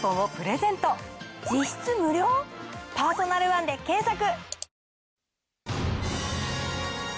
実質無料⁉「パーソナルワン」で検索！